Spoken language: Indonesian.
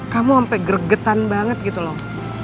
kamu sampai gregetan banget gitu loh